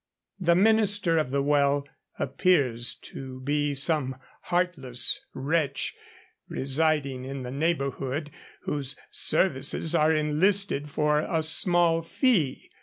The minister of the well appears to be some heartless wretch residing in the neighbourhood, whose services are enlisted for a small fee.